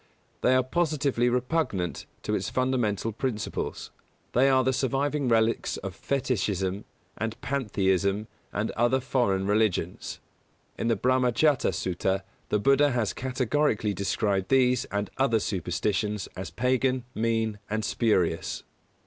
They are positively repugnant to its fundamental principles. They are the surviving relics of fetishism and pantheistic and other foreign religions. In the Brāhmajāta Sutta the Buddha has categorically described these and other superstitions as Pagan, mean and spurious.